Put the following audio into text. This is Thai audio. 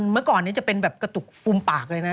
เมื่อก่อนนี้จะเป็นแบบกระตุกฟูมปากเลยนะ